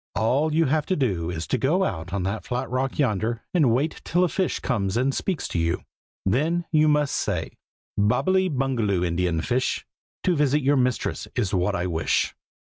All you have to do is to go out on that flat rock yonder, and wait till a fish comes and speaks to you. Then you must say "'Bobbily Bungaloo, Indian fish. To visit your mistress is what I wish.'